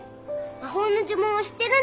魔法の呪文を知ってるんだぞ。